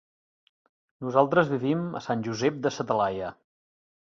Nosaltres vivim a Sant Josep de sa Talaia.